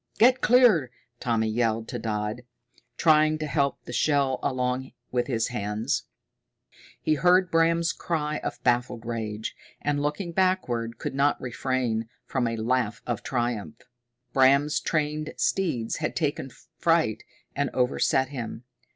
"Get clear!" Tommy yelled to Dodd, trying to help the shell along with his hands. He heard Bram's cry of baffled rage, and, looking backward, could not refrain from a laugh of triumph. Bram's trained steeds had taken fright and overset him.